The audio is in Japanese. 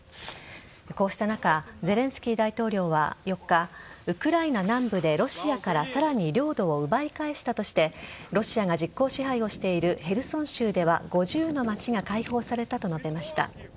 こうした中ゼレンスキー大統領は４日ウクライナ南部で、ロシアからさらに領土を奪い返したとしてロシアが実効支配をしているヘルソン州では５０の町が解放されたと述べました。